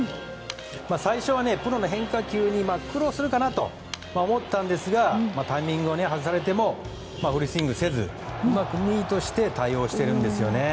最初はプロの変化球に苦労するかなと思ったんですがタイミングを外されてもフルスイングせずうまくミートして対応しているんですよね。